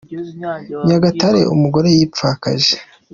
Nyagatare Umugore yipfakaje